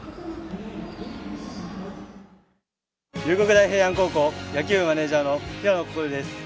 大平安高校野球部マネージャーの平野心琉です。